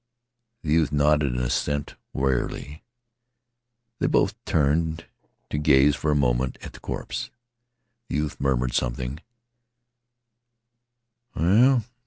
The youth nodded an assent wearily. They both turned to gaze for a moment at the corpse. The youth murmured something.